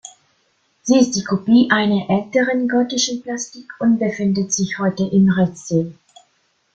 Sie ist die Kopie einer älteren gotischen Plastik und befindet sich heute in Reszel.